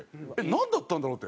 なんだったんだろう？って。